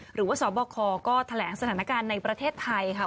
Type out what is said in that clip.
หรือว่าสบคก็แถลงสถานการณ์ในประเทศไทยค่ะ